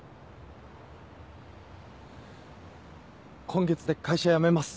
今月で会社辞めます。